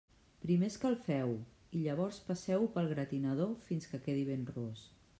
Primer escalfeu-ho i llavors passeu-ho pel gratinador fins que quedi ben ros.